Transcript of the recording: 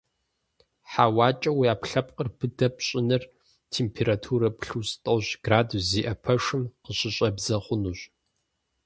ХьэуакӀэ уи Ӏэпкълъэпкъыр быдэ пщӀыныр температурэ плюс тӀощӀ градус зиӀэ пэшым къыщыщӀэбдзэ хъунущ.